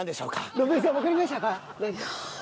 順恵さんわかりましたか？